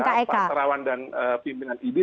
pak terawan dan pimpinan idi